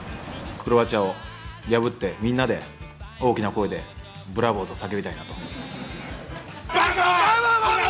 クロアチアを破って、みんなで大きな声で、ブラボーと叫びたいなと。